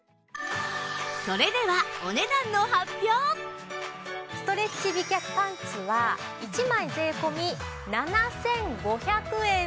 それではストレッチ美脚パンツは１枚税込７５００円です。